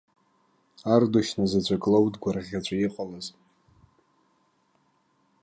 Ардушьна заҵәык лоуп дгәырӷьаҵәа иҟалаз.